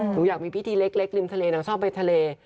หนูอยากมีพิธีเล็กริมทะเลนางชอบไปทะเล